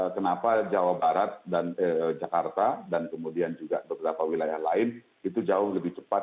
kenapa jawa barat dan jakarta dan kemudian juga beberapa wilayah lain itu jauh lebih cepat